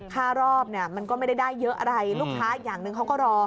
ค่ารอบมันก็ไม่ได้ได้เยอะอะไรลูกค้าอย่างหนึ่งเขาก็รอ